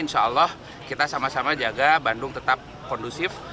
insya allah kita sama sama jaga bandung tetap kondusif